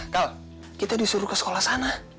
kalau kita disuruh ke sekolah sana